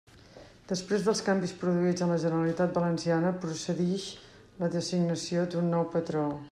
Després dels canvis produïts en la Generalitat Valenciana, procedix la designació d'un nou patró.